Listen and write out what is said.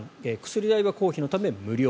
薬代は公費のため無料。